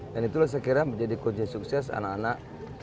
dan itulah saya kira menjadi kursi sukses anak anak